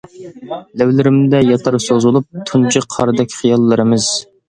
لەۋلىرىمدە ياتار سوزۇلۇپ، تۇنجى قاردەك خىياللىرىمىز.